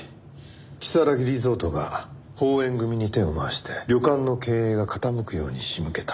如月リゾートが鳳怨組に手を回して旅館の経営が傾くように仕向けた。